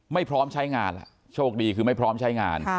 ไม่พร้อมใช้งานล่ะโชคดีคือไม่พร้อมใช้งาน